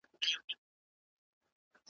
په شمول يې پارلمان کې